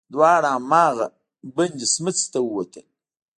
دواړه هماغې بندې سمڅې ته ووتل.